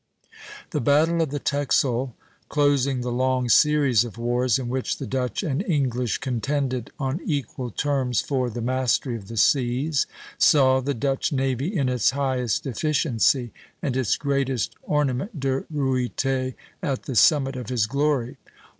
The battle of the Texel, closing the long series of wars in which the Dutch and English contended on equal terms for the mastery of the seas, saw the Dutch navy in its highest efficiency, and its greatest ornament, De Ruyter, at the summit of his glory.